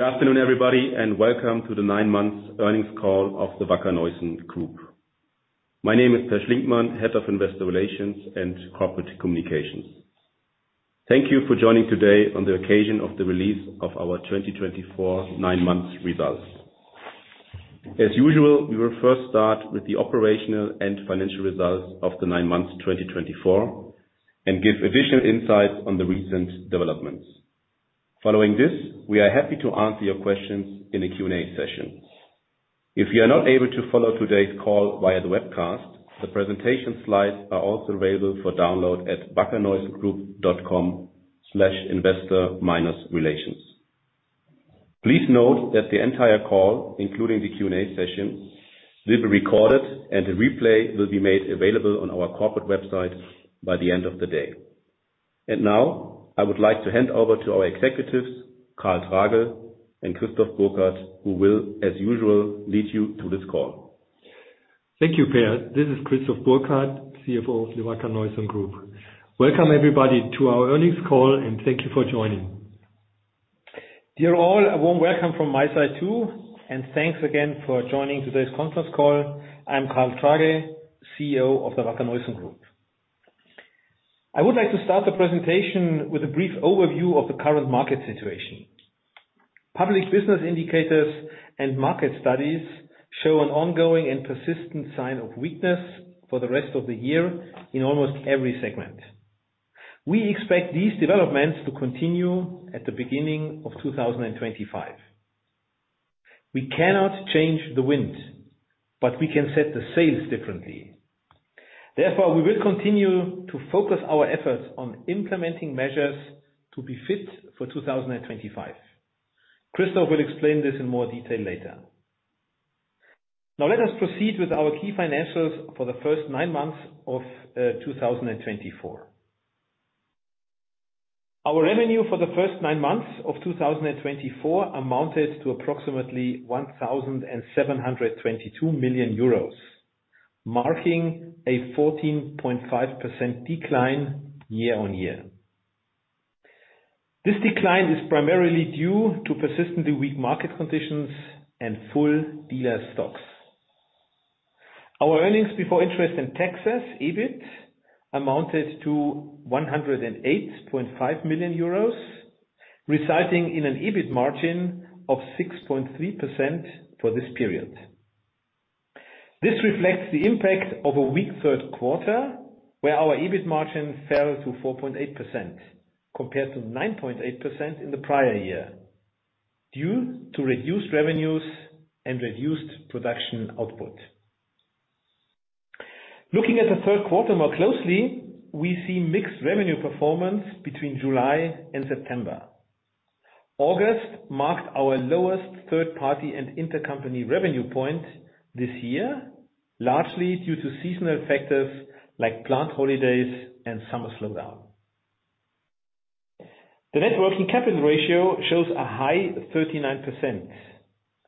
Good afternoon, everybody, and welcome to the nine-month earnings call of the Wacker Neuson Group. My name is Peer Schlinkmann, Head of Investor Relations and Corporate Communications. Thank you for joining today on the occasion of the release of our 2024 nine-month results. As usual, we will first start with the operational and financial results of the nine months 2024 and give additional insights on the recent developments. Following this, we are happy to answer your questions in the Q&A session. If you are not able to follow today's call via the webcast, the presentation slides are also available for download at wackerneusongroup.com/investor-relations. Please note that the entire call, including the Q&A session, will be recorded, and a replay will be made available on our corporate website by the end of the day. Now, I would like to hand over to our executives, Karl Tragl and Christoph Burkhard, who will, as usual, lead you through this call. Thank you, Peer. This is Christoph Burkhard, CFO of the Wacker Neuson Group. Welcome, everybody, to our earnings call, and thank you for joining. Dear all, a warm welcome from my side too, and thanks again for joining today's conference call. I'm Karl Tragl, CEO of the Wacker Neuson Group. I would like to start the presentation with a brief overview of the current market situation. Public business indicators and market studies show an ongoing and persistent sign of weakness for the rest of the year in almost every segment. We expect these developments to continue at the beginning of 2025. We cannot change the wind, but we can set the sails differently. Therefore, we will continue to focus our efforts on implementing measures to be fit for 2025. Christoph will explain this in more detail later. Now, let us proceed with our key financials for the first nine months of 2024. Our revenue for the first nine months of 2024 amounted to approximately 1,722 million euros, marking a 14.5% decline year-on-year. This decline is primarily due to persistently weak market conditions and full dealer stocks. Our earnings before interest and taxes, EBIT, amounted to 108.5 million euros, resulting in an EBIT margin of 6.3% for this period. This reflects the impact of a weak third quarter, where our EBIT margin fell to 4.8% compared to 9.8% in the prior year due to reduced revenues and reduced production output. Looking at the third quarter more closely, we see mixed revenue performance between July and September. August marked our lowest third-party and intercompany revenue point this year, largely due to seasonal factors like plant holidays and summer slowdown. The net working capital ratio shows a high 39%.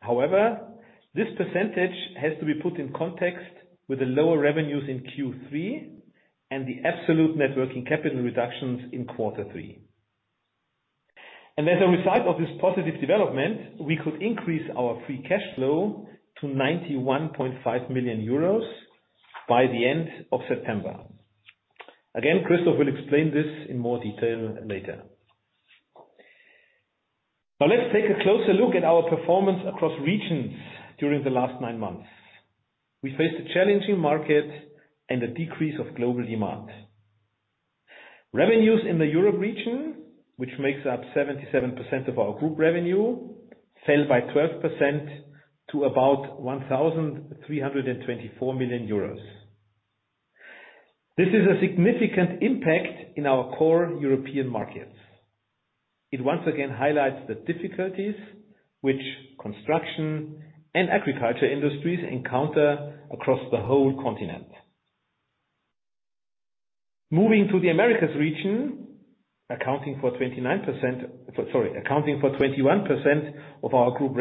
However, this percentage has to be put in context with the lower revenues in Q3 and the absolute net working capital reductions in Q3. And as a result of this positive development, we could increase our free cash flow to 91.5 million euros by the end of September. Again, Christoph will explain this in more detail later. Now, let's take a closer look at our performance across regions during the last nine months. We faced a challenging market and a decrease of global demand. Revenues in the Europe region, which makes up 77% of our group revenue, fell by 12% to about 1,324 million euros. This is a significant impact in our core European markets. It once again highlights the difficulties which construction and agriculture industries encounter across the whole continent. Moving to the Americas region, accounting for 29%, sorry, accounting for 21% of our group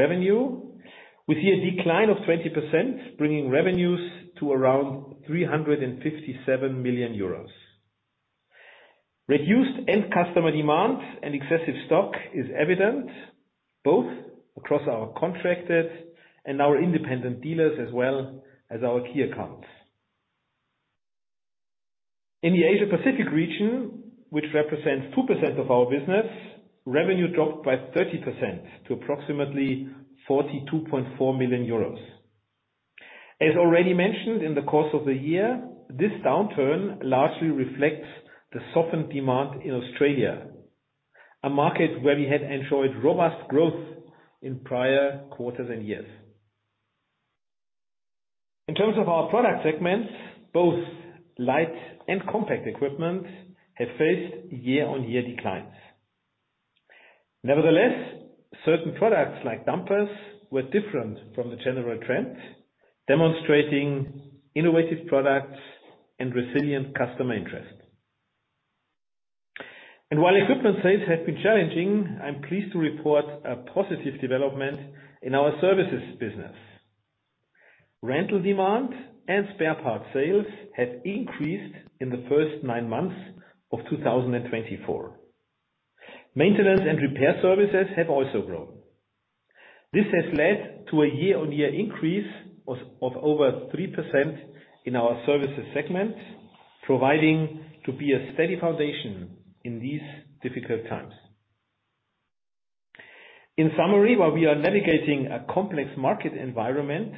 revenue, we see a decline of 20%, bringing revenues to around 357 million euros. Reduced end customer demand and excessive stock is evident, both across our contracted and our independent dealers, as well as our key accounts. In the Asia-Pacific region, which represents 2% of our business, revenue dropped by 30% to approximately 42.4 million euros. As already mentioned in the course of the year, this downturn largely reflects the softened demand in Australia, a market where we had enjoyed robust growth in prior quarters and years. In terms of our product segments, both light and compact equipment have faced year-on-year declines. Nevertheless, certain products like dumpers were different from the general trend, demonstrating innovative products and resilient customer interest. And while equipment sales have been challenging, I'm pleased to report a positive development in our services business. Rental demand and spare parts sales have increased in the first nine months of 2024. Maintenance and repair services have also grown. This has led to a year-on-year increase of over 3% in our services segment, proving to be a steady foundation in these difficult times. In summary, while we are navigating a complex market environment,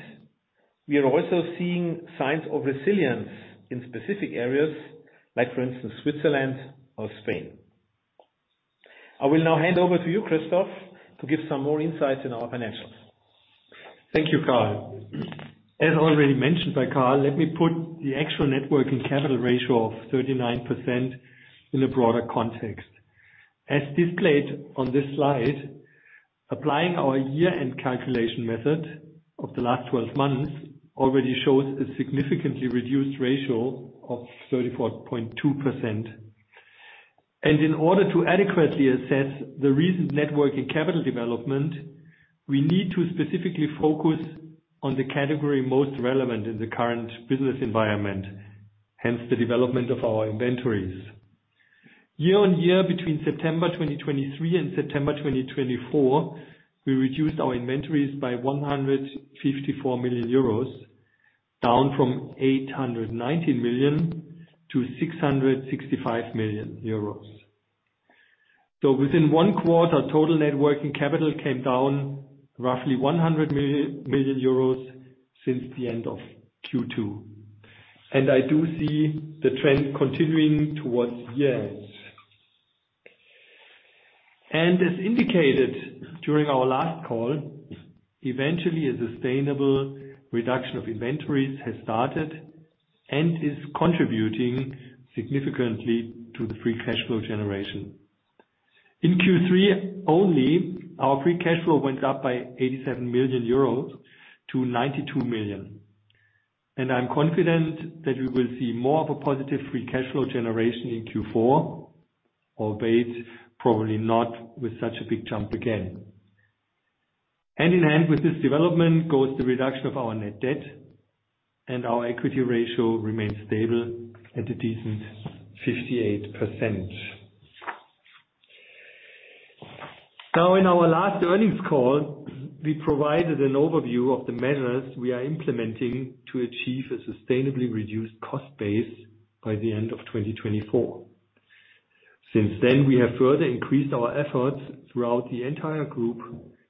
we are also seeing signs of resilience in specific areas, like, for instance, Switzerland or Spain. I will now hand over to you, Christoph, to give some more insights in our financials. Thank you, Karl. As already mentioned by Karl, let me put the actual net working capital ratio of 39% in a broader context. As displayed on this slide, applying our year-end calculation method of the last 12 months already shows a significantly reduced ratio of 34.2%. And in order to adequately assess the recent net working capital development, we need to specifically focus on the category most relevant in the current business environment, hence the development of our inventories. Year-on-year, between September 2023 and September 2024, we reduced our inventories by 154 million euros, down from 819 million to 665 million euros. So within one quarter, total net working capital came down roughly 100 million euros since the end of Q2. And I do see the trend continuing towards year-end. As indicated during our last call, eventually, a sustainable reduction of inventories has started and is contributing significantly to the free cash flow generation. In Q3 only, our free cash flow went up by 87 million euros to 92 million. I'm confident that we will see more of a positive free cash flow generation in Q4, albeit probably not with such a big jump again. Hand in hand with this development goes the reduction of our net debt, and our equity ratio remains stable at a decent 58%. Now, in our last earnings call, we provided an overview of the measures we are implementing to achieve a sustainably reduced cost base by the end of 2024. Since then, we have further increased our efforts throughout the entire group,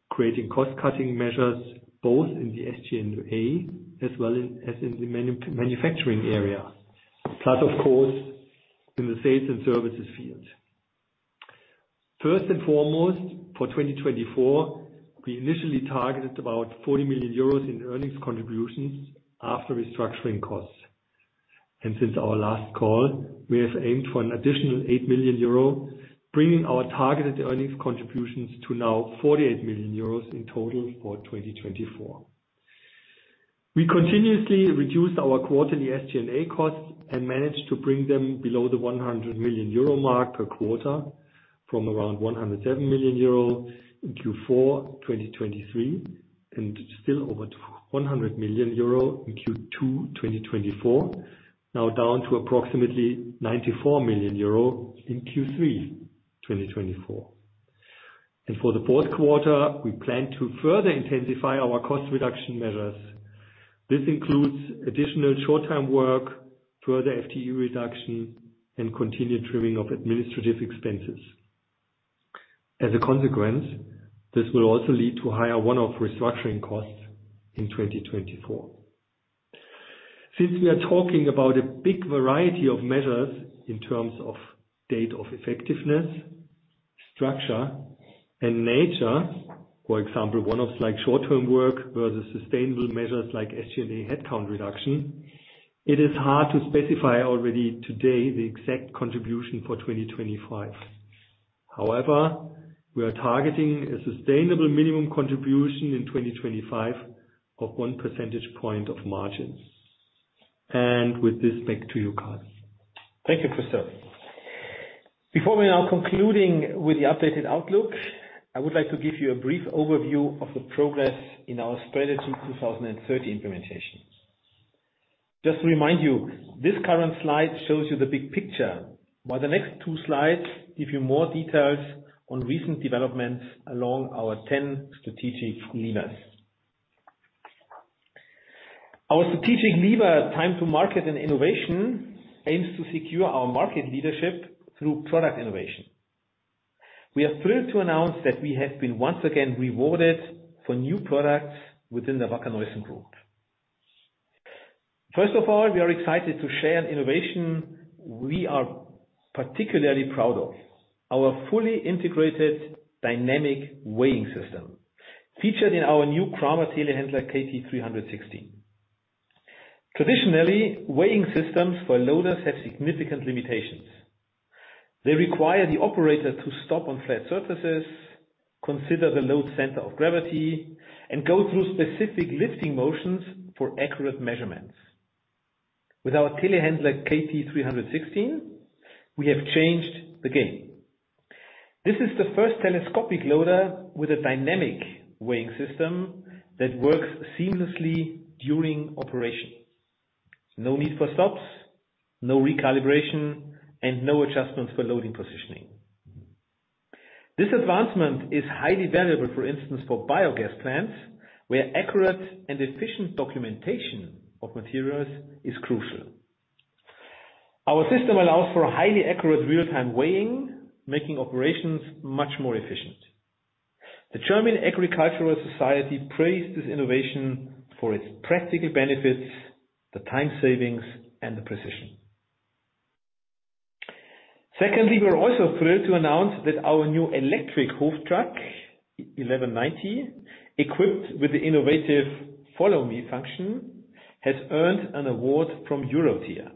creating cost-cutting measures both in the SG&A as well as in the manufacturing area, plus, of course, in the sales and services field. First and foremost, for 2024, we initially targeted about 40 million euros in earnings contributions after restructuring costs. Since our last call, we have aimed for an additional 8 million euro, bringing our targeted earnings contributions to now 48 million euros in total for 2024. We continuously reduced our quarterly SG&A costs and managed to bring them below the 100 million euro mark per quarter from around 107 million euro in Q4 2023 and still over 100 million euro in Q2 2024, now down to approximately 94 million euro in Q3 2024. For the fourth quarter, we plan to further intensify our cost reduction measures. This includes additional short-time work, further FTE reduction, and continued trimming of administrative expenses. As a consequence, this will also lead to higher one-off restructuring costs in 2024. Since we are talking about a big variety of measures in terms of date of effectiveness, structure, and nature, for example, one-offs like short-time work versus sustainable measures like SG&A headcount reduction, it is hard to specify already today the exact contribution for 2025. However, we are targeting a sustainable minimum contribution in 2025 of one percentage point of margins. With this, back to you, Karl. Thank you, Christoph. Before we are concluding with the updated outlook, I would like to give you a brief overview of the progress in our Strategy 2030 implementation. Just to remind you, this current slide shows you the big picture, while the next two slides give you more details on recent developments along our 10 strategic levers. Our strategic lever, time to market and innovation, aims to secure our market leadership through product innovation. We are thrilled to announce that we have been once again rewarded for new products within the Wacker Neuson Group. First of all, we are excited to share an innovation we are particularly proud of: our fully integrated dynamic weighing system featured in our new Kramer Telehandler KT316. Traditionally, weighing systems for loaders have significant limitations. They require the operator to stop on flat surfaces, consider the load center of gravity, and go through specific lifting motions for accurate measurements. With our Telehandler KT316, we have changed the game. This is the first telescopic loader with a dynamic weighing system that works seamlessly during operation. No need for stops, no recalibration, and no adjustments for loading positioning. This advancement is highly valuable, for instance, for biogas plants, where accurate and efficient documentation of materials is crucial. Our system allows for highly accurate real-time weighing, making operations much more efficient. The German Agricultural Society praised this innovation for its practical benefits, the time savings, and the precision. Secondly, we are also thrilled to announce that our new electric eHoftrac 1190, equipped with the innovative Follow Me function, has earned an award from EuroTier.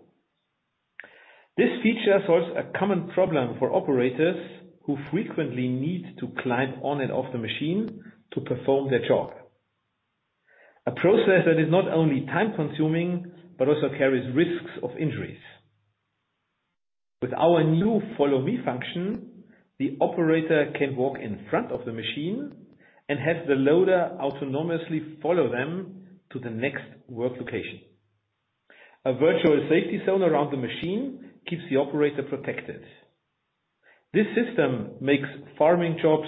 This feature solves a common problem for operators who frequently need to climb on and off the machine to perform their job, a process that is not only time-consuming but also carries risks of injuries. With our new Follow Me function, the operator can walk in front of the machine and have the loader autonomously follow them to the next work location. A virtual safety zone around the machine keeps the operator protected. This system makes farming jobs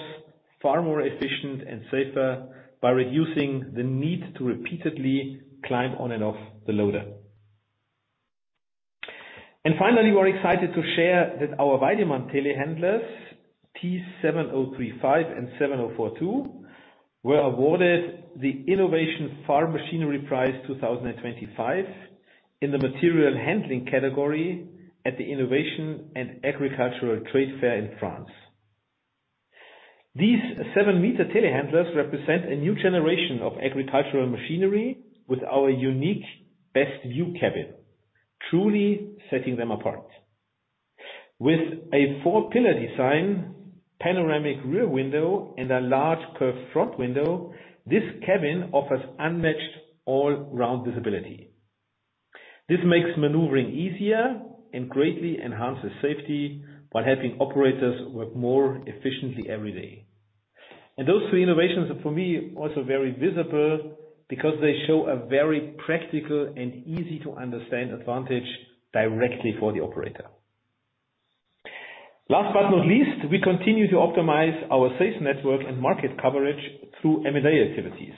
far more efficient and safer by reducing the need to repeatedly climb on and off the loader. Finally, we're excited to share that our Weidemann Telehandlers T7035 and T7042 were awarded the Innovation Farm Machinery Prize 2025 in the Material Handling category at the Innovation and Agricultural Trade Fair in France. These 7-meter Telehandlers represent a new generation of agricultural machinery with our unique Best View Cabin, truly setting them apart. With a four-pillar design, panoramic rear window, and a large curved front window, this cabin offers unmatched all-round visibility. This makes maneuvering easier and greatly enhances safety while helping operators work more efficiently every day. And those three innovations are, for me, also very visible because they show a very practical and easy-to-understand advantage directly for the operator. Last but not least, we continue to optimize our sales network and market coverage through M&A activities.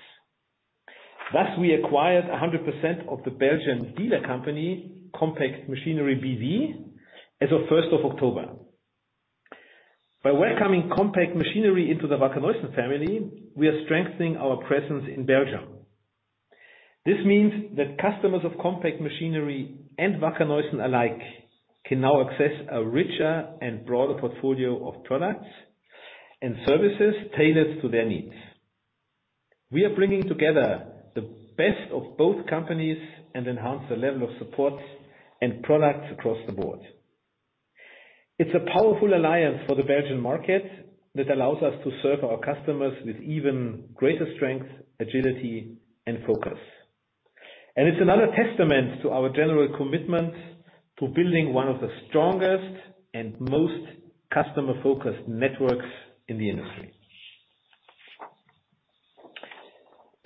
Thus, we acquired 100% of the Belgian dealer company, Compact Machinery BV, as of 1st of October. By welcoming Compact Machinery into the Wacker Neuson family, we are strengthening our presence in Belgium. This means that customers of Compact Machinery and Wacker Neuson alike can now access a richer and broader portfolio of products and services tailored to their needs. We are bringing together the best of both companies and enhancing the level of support and products across the board. It's a powerful alliance for the Belgian market that allows us to serve our customers with even greater strength, agility, and focus. And it's another testament to our general commitment to building one of the strongest and most customer-focused networks in the industry.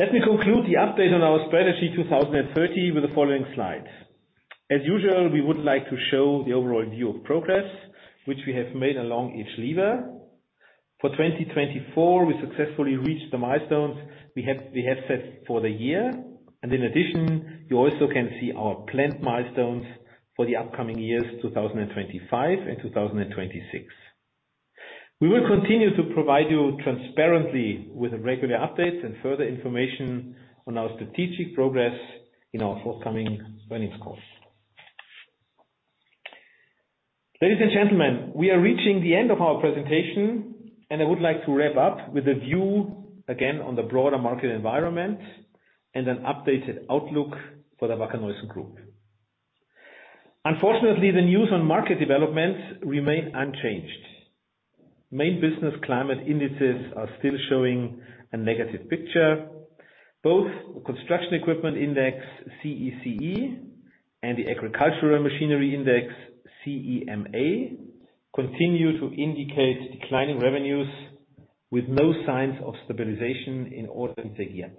Let me conclude the update on our Strategy 2030 with the following slides. As usual, we would like to show the overall view of progress, which we have made along each lever. For 2024, we successfully reached the milestones we have set for the year. And in addition, you also can see our planned milestones for the upcoming years, 2025 and 2026. We will continue to provide you transparently with regular updates and further information on our strategic progress in our forthcoming earnings calls. Ladies and gentlemen, we are reaching the end of our presentation, and I would like to wrap up with a view again on the broader market environment and an updated outlook for the Wacker Neuson Group. Unfortunately, the news on market developments remain unchanged. Main business climate indices are still showing a negative picture. Both the Construction Equipment Index, CECE, and the Agricultural Machinery Index, CEMA, continue to indicate declining revenues with no signs of stabilization in all things yet.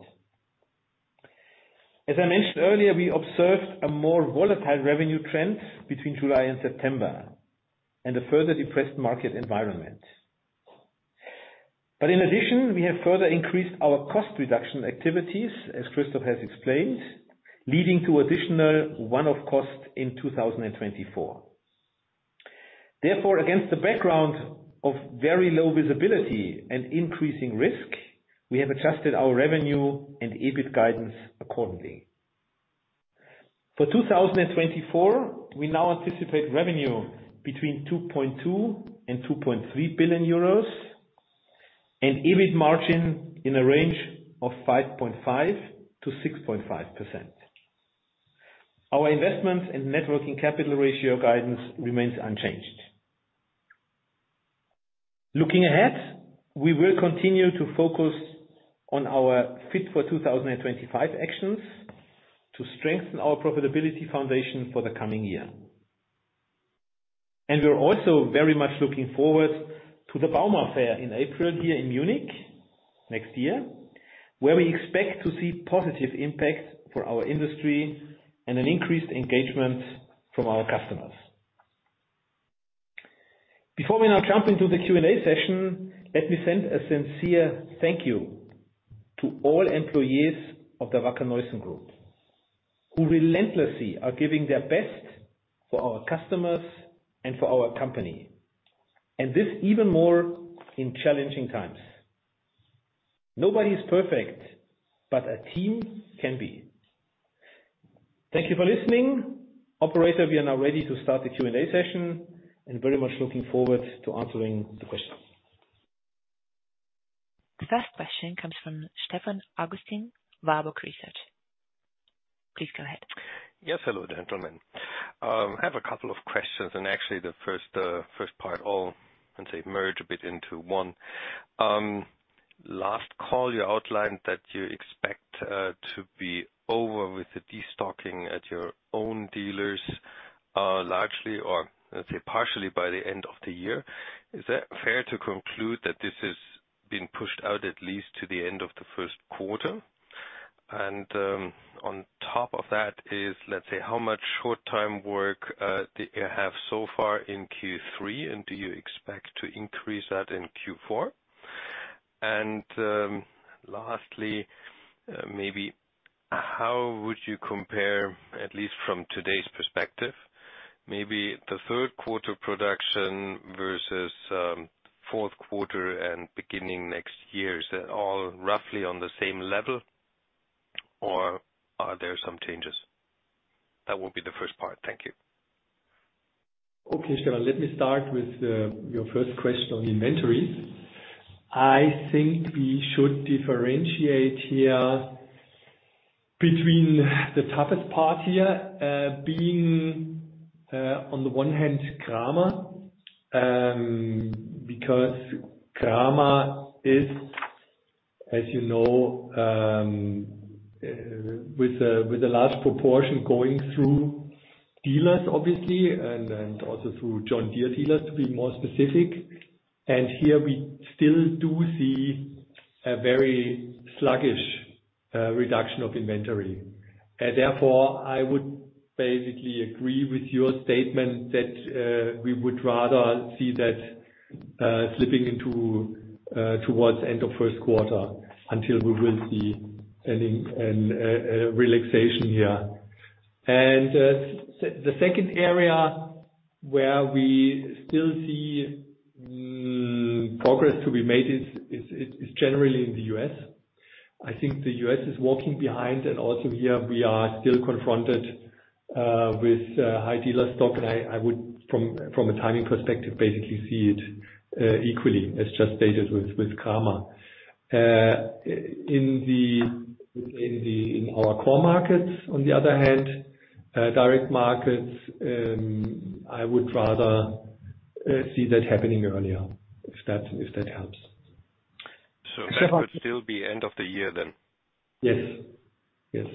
As I mentioned earlier, we observed a more volatile revenue trend between July and September and a further depressed market environment. But in addition, we have further increased our cost reduction activities, as Christoph has explained, leading to additional one-off costs in 2024. Therefore, against the background of very low visibility and increasing risk, we have adjusted our revenue and EBIT guidance accordingly. For 2024, we now anticipate revenue between €2.2 and €2.3 billion and EBIT margin in a range of 5.5% to 6.5%. Our investments and net working capital ratio guidance remains unchanged. Looking ahead, we will continue to focus on our Fit for 2025 actions to strengthen our profitability foundation for the coming year, and we are also very much looking forward to the Bauma Fair in April here in Munich next year, where we expect to see positive impacts for our industry and an increased engagement from our customers. Before we now jump into the Q&A session, let me send a sincere thank you to all employees of the Wacker Neuson Group, who relentlessly are giving their best for our customers and for our company, and this even more in challenging times. Nobody is perfect, but a team can be. Thank you for listening. Operator, we are now ready to start the Q&A session and very much looking forward to answering the questions. The first question comes from Stefan Augustin, Warburg Research. Please go ahead. Yes, hello gentlemen. I have a couple of questions, and actually the first part, I'll merge a bit into one. Last call, you outlined that you expect to be over with the destocking at your own dealers largely, or let's say partially by the end of the year. Is that fair to conclude that this has been pushed out at least to the end of the first quarter? And on top of that is, let's say, how much short-time work do you have so far in Q3, and do you expect to increase that in Q4? And lastly, maybe how would you compare, at least from today's perspective, maybe the third quarter production versus fourth quarter and beginning next year? Is that all roughly on the same level, or are there some changes? That will be the first part. Thank you. Okay, Stefan, let me start with your first question on inventories. I think we should differentiate here between the toughest part here being on the one hand Kramer, because Kramer is, as you know, with a large proportion going through dealers, obviously, and also through John Deere dealers, to be more specific. And here we still do see a very sluggish reduction of inventory. And therefore, I would basically agree with your statement that we would rather see that slipping towards the end of first quarter until we will see a relaxation here. And the second area where we still see progress to be made is generally in the U.S. I think the U.S. is walking behind, and also here we are still confronted with high dealer stock, and I would, from a timing perspective, basically see it equally, as just stated, with Kramer. In our core markets, on the other hand, direct markets, I would rather see that happening earlier, if that helps. So that would still be end of the year then? Yes. Yes.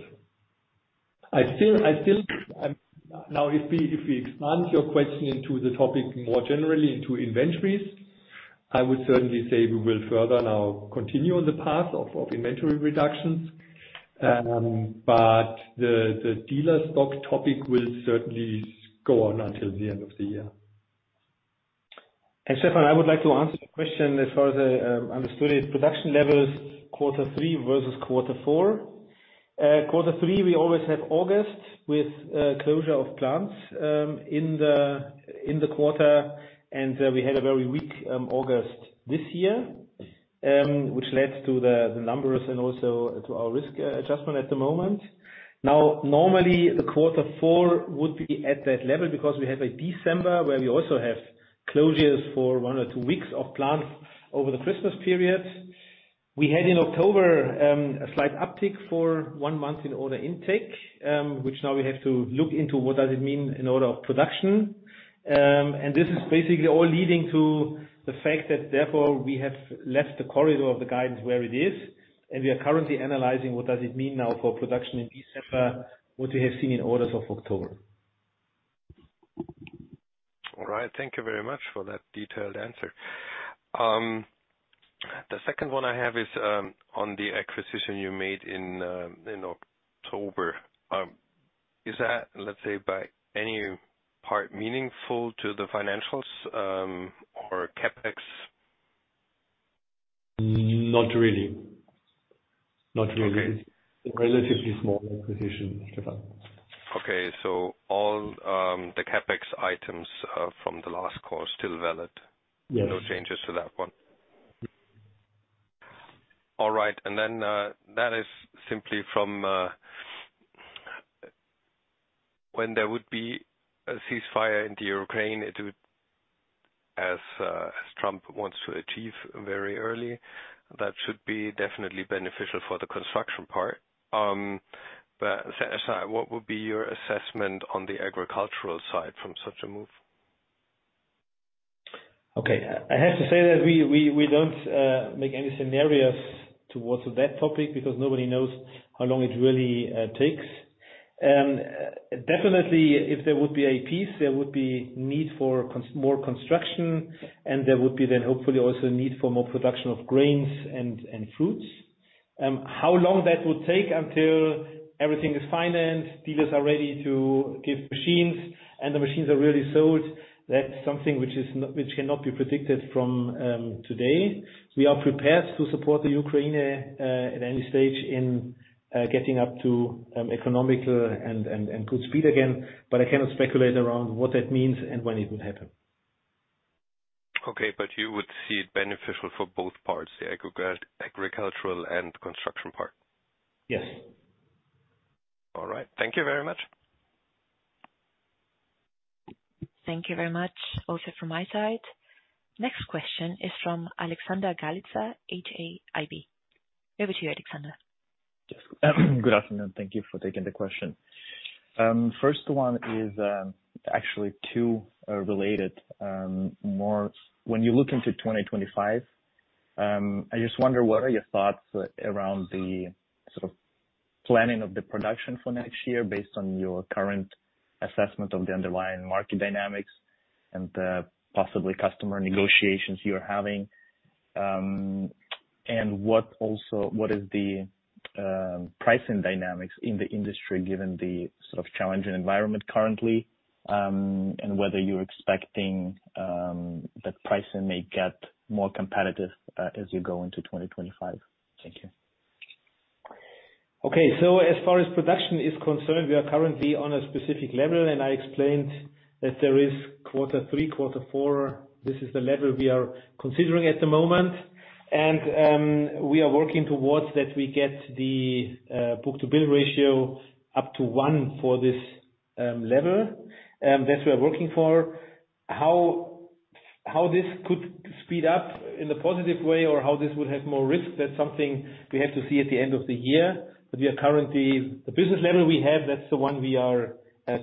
Now, if we expand your question into the topic more generally into inventories, I would certainly say we will further now continue on the path of inventory reductions, but the dealer stock topic will certainly go on until the end of the year, and Stefan, I would like to answer your question as far as I understood it: production levels, quarter three versus quarter four. Quarter three, we always have August with closure of plants in the quarter, and we had a very weak August this year, which led to the numbers and also to our risk adjustment at the moment. Now, normally the quarter four would be at that level because we have a December where we also have closures for one or two weeks of plants over the Christmas period. We had in October a slight uptick for one month in order intake, which now we have to look into what does it mean in order of production, and this is basically all leading to the fact that therefore we have left the corridor of the guidance where it is, and we are currently analyzing what does it mean now for production in December, what we have seen in orders of October. All right. Thank you very much for that detailed answer. The second one I have is on the acquisition you made in October. Is that, let's say, by any part meaningful to the financials or CapEx? Not really. Not really. It's a relatively small acquisition, Stefan. Okay. So all the CapEx items from the last call are still valid? Yes. No changes to that one? All right. And then that is simply from when there would be a ceasefire in Ukraine, it would, as Trump wants to achieve very early, that should be definitely beneficial for the construction part. But what would be your assessment on the agricultural side from such a move? Okay. I have to say that we don't make any scenarios towards that topic because nobody knows how long it really takes. Definitely, if there would be APs, there would be need for more construction, and there would be then hopefully also a need for more production of grains and fruits. How long that would take until everything is financed, dealers are ready to give machines, and the machines are really sold, that's something which cannot be predicted from today. We are prepared to support the Ukraine at any stage in getting up to economical and good speed again, but I cannot speculate around what that means and when it will happen. Okay. But you would see it beneficial for both parts, the agricultural and construction part? Yes. All right. Thank you very much. Thank you very much also from my side. Next question is from Alexander Galiza, HAIB. Over to you, Alexander. Good afternoon. Thank you for taking the question. First one is actually two related. When you look into 2025, I just wonder what are your thoughts around the sort of planning of the production for next year based on your current assessment of the underlying market dynamics and possibly customer negotiations you are having, and what is the pricing dynamics in the industry given the sort of challenging environment currently, and whether you're expecting that pricing may get more competitive as you go into 2025? Thank you. Okay. So as far as production is concerned, we are currently on a specific level, and I explained that there is quarter three, quarter four. This is the level we are considering at the moment, and we are working towards that we get the book-to-bill ratio up to one for this level that we are working for. How this could speed up in a positive way or how this would have more risk, that's something we have to see at the end of the year. But we are currently the business level we have, that's the one we are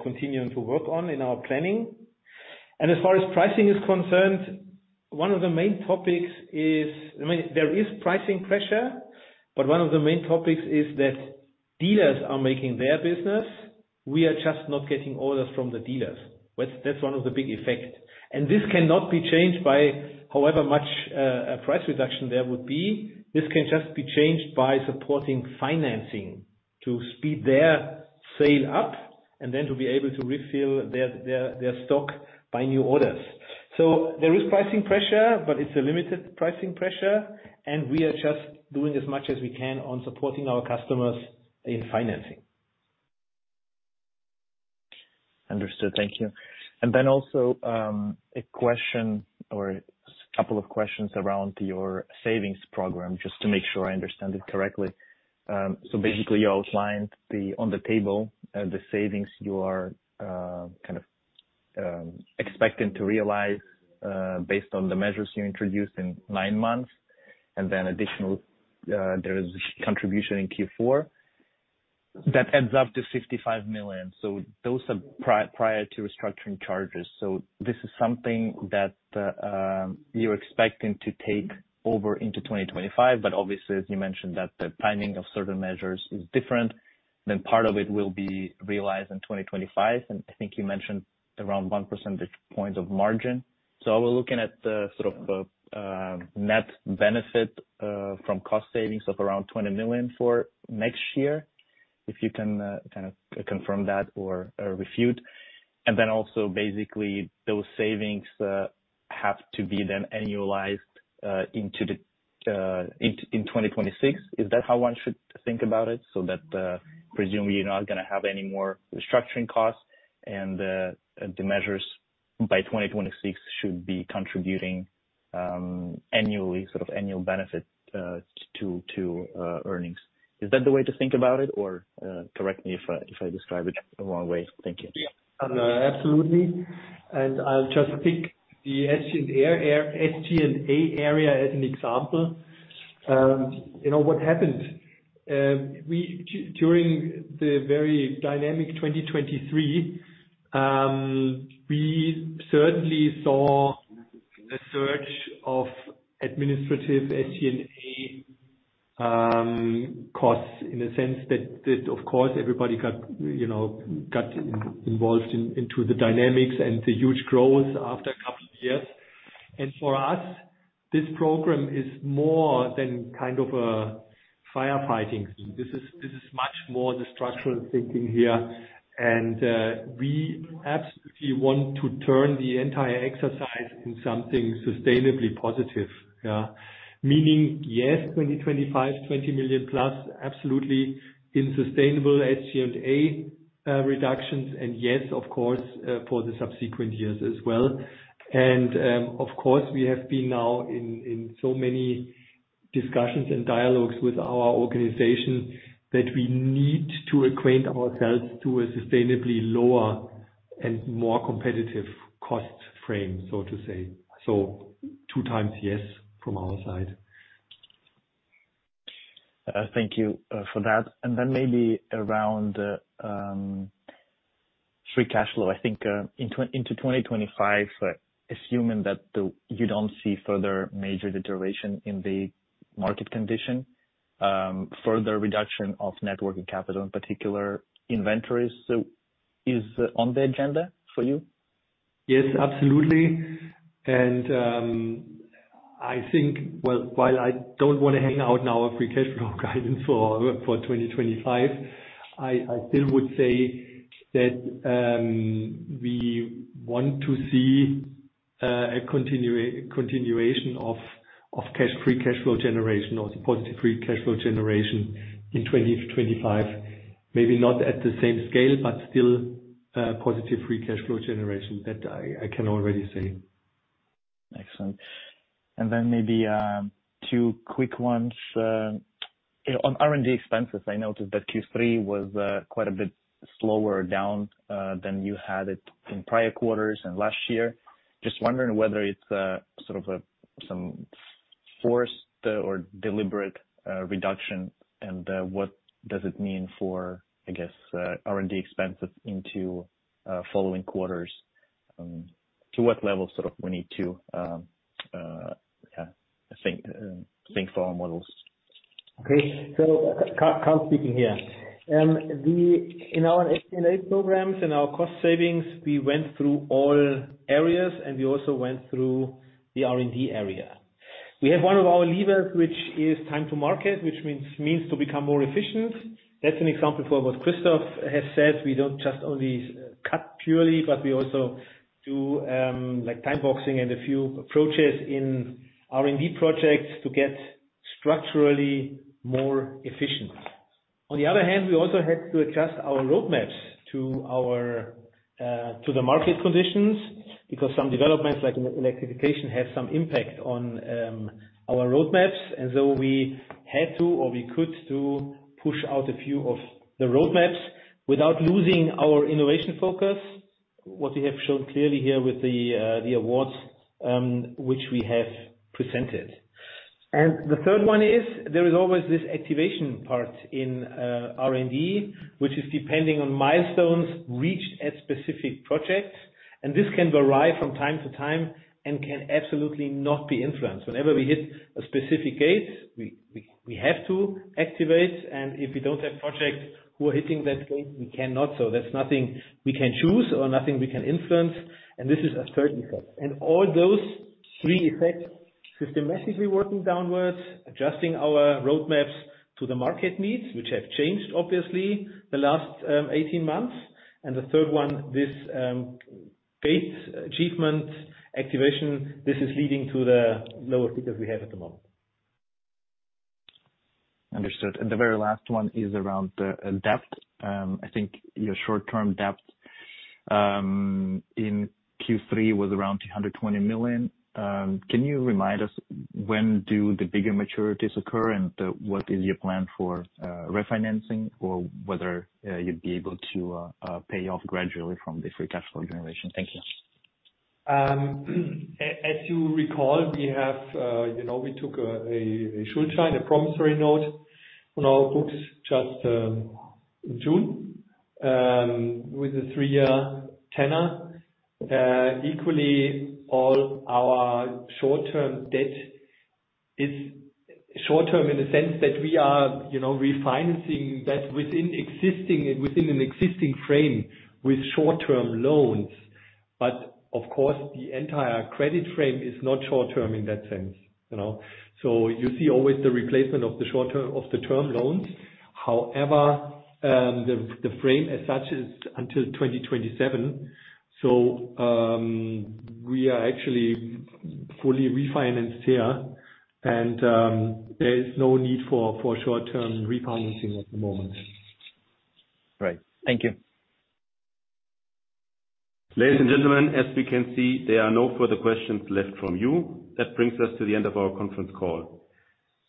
continuing to work on in our planning. And as far as pricing is concerned, one of the main topics is, I mean, there is pricing pressure, but one of the main topics is that dealers are making their business. We are just not getting orders from the dealers. That's one of the big effects, and this cannot be changed by however much a price reduction there would be. This can just be changed by supporting financing to speed their sale up and then to be able to refill their stock by new orders, so there is pricing pressure, but it's a limited pricing pressure, and we are just doing as much as we can on supporting our customers in financing. Understood. Thank you. And then also a question or a couple of questions around your savings program, just to make sure I understand it correctly. So basically, you outlined on the table the savings you are kind of expecting to realize based on the measures you introduced in nine months, and then additional there is contribution in Q4 that adds up to 55 million. So those are prior to restructuring charges. So this is something that you're expecting to take over into 2025, but obviously, as you mentioned, that the timing of certain measures is different. Then part of it will be realized in 2025, and I think you mentioned around 1% points of margin. So are we looking at the sort of net benefit from cost savings of around 20 million for next year? If you can kind of confirm that or refute. And then also basically those savings have to be then annualized into 2026. Is that how one should think about it? So that presumably you're not going to have any more restructuring costs, and the measures by 2026 should be contributing annually, sort of annual benefit to earnings. Is that the way to think about it, or correct me if I describe it the wrong way? Thank you. Absolutely. And I'll just pick the SG&A area as an example. What happened during the very dynamic 2023, we certainly saw the surge of administrative SG&A costs in the sense that, of course, everybody got involved into the dynamics and the huge growth after a couple of years. And for us, this program is more than kind of a firefighting. This is much more the structural thinking here, and we absolutely want to turn the entire exercise in something sustainably positive. Meaning, yes, 2025, 20 million plus, absolutely in sustainable SG&A reductions, and yes, of course, for the subsequent years as well. And of course, we have been now in so many discussions and dialogues with our organization that we need to acquaint ourselves to a sustainably lower and more competitive cost frame, so to say. So two times yes from our side. Thank you for that. And then maybe around free cash flow, I think into 2025, assuming that you don't see further major deterioration in the market condition, further reduction of net working capital, in particular inventories, is on the agenda for you? Yes, absolutely. And I think, well, while I don't want to hand out now a free cash flow guidance for 2025, I still would say that we want to see a continuation of free cash flow generation or positive free cash flow generation in 2025. Maybe not at the same scale, but still positive free cash flow generation that I can already say. Excellent. And then maybe two quick ones. On R&D expenses, I noticed that Q3 was quite a bit slowed down than you had it in prior quarters and last year. Just wondering whether it's sort of some forced or deliberate reduction and what does it mean for, I guess, R&D expenses into following quarters? To what level sort of we need to, yeah, think for our models? Okay. So Karl speaking here. In our SG&A programs and our cost savings, we went through all areas, and we also went through the R&D area. We have one of our levers, which is time to market, which means to become more efficient. That's an example for what Christoph has said. We don't just only cut purely, but we also do time boxing and a few approaches in R&D projects to get structurally more efficient. On the other hand, we also had to adjust our roadmaps to the market conditions because some developments like electrification have some impact on our roadmaps. And so we had to, or we could do, push out a few of the roadmaps without losing our innovation focus, what we have shown clearly here with the awards which we have presented. The third one is there is always this activation part in R&D, which is depending on milestones reached at specific projects. And this can vary from time to time and can absolutely not be influenced. Whenever we hit a specific gate, we have to activate. And if we don't have projects who are hitting that gate, we cannot. So that's nothing we can choose or nothing we can influence. And this is a third effect. And all those three effects systematically working downwards, adjusting our roadmaps to the market needs, which have changed, obviously, the last 18 months. And the third one, this gate achievement activation, this is leading to the lower figures we have at the moment. Understood, and the very last one is around the debt. I think your short-term debt in Q3 was around 220 million. Can you remind us when do the bigger maturities occur and what is your plan for refinancing or whether you'd be able to pay off gradually from the free cash flow generation? Thank you. As you recall, we took a Schuldschein, a promissory note on our books just in June with the three-year tenor. Equally, all our short-term debt is short-term in the sense that we are refinancing that within an existing frame with short-term loans. But of course, the entire credit frame is not short-term in that sense. So you see always the replacement of the term loans. However, the frame as such is until 2027. So we are actually fully refinanced here, and there is no need for short-term refinancing at the moment. Great. Thank you. Ladies and gentlemen, as we can see, there are no further questions left from you. That brings us to the end of our conference call.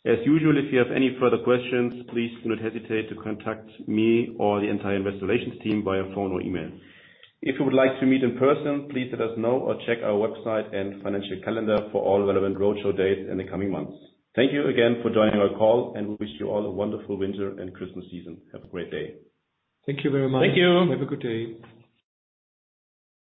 As usual, if you have any further questions, please do not hesitate to contact me or the entire Investor Relations team via phone or email. If you would like to meet in person, please let us know or check our website and financial calendar for all relevant roadshow dates in the coming months. Thank you again for joining our call, and we wish you all a wonderful winter and Christmas season. Have a great day. Thank you very much. Thank you. Have a good day.